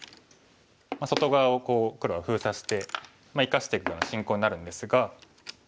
外側を黒が封鎖して生かしていくような進行になるんですが。